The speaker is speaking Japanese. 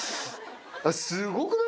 すごくない？